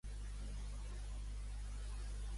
El seu cognom és Puñal: pe, u, enya, a, ela.